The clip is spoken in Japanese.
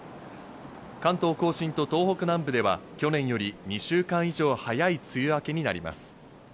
関東甲信と東北南部では去年より２週間以上、早い梅雨明けになります。